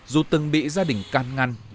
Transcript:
dù từng bị gia đình can ngăn